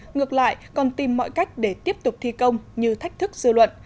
ngược lại còn tìm mọi cách để tiếp tục thi công như thách thức dư luận